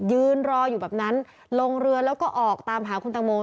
ยืนรออยู่แบบนั้นลงเรือแล้วก็ออกตามหาคุณตังโม